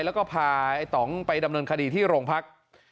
แล้วก็พาไอ้ตองไปดำเนินคดีที่โรงพัก